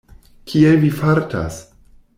Kiel vi fartas?